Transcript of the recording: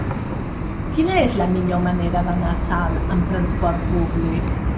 Quina és la millor manera d'anar a Salt amb trasport públic?